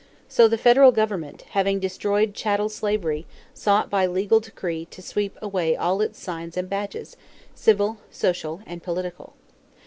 So the federal government, having destroyed chattel slavery, sought by legal decree to sweep away all its signs and badges, civil, social, and political.